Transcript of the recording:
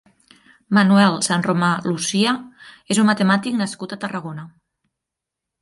Manuel Sanromà Lucía és un matemàtic nascut a Tarragona.